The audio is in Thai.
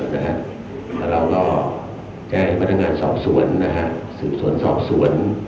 แล้วเราก็แจ้งพนักงานสอบสวนสืบสวนสอบสวน